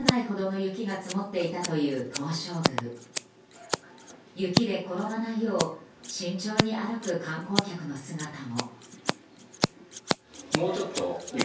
雪で転ばないよう慎重に歩く観光客の姿も。